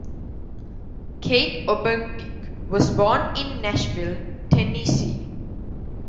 Keith Obadike was born in Nashville, Tennessee.